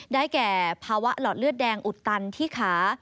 แก่ภาวะหลอดเลือดแดงอุดตันที่ขา